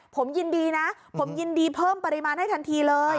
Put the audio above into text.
ผมยินดีนะผมยินดีเพิ่มปริมาณให้ทันทีเลย